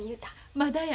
まだや。